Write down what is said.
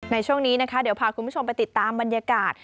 ในช่วงนี้นะคะเดี๋ยวพาคุณผู้ชมไปติดตามบรรยากาศ